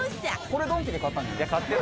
これドンキで買った？